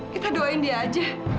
kita doain dia aja